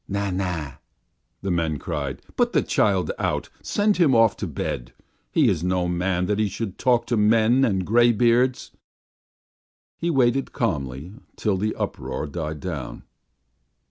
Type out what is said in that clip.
"Na! Na!" the men cried. "Put the child out!" "Send him off to bed!" "He is no man that he should talk to men and graybeards!" He waited calmly till the uproar died down.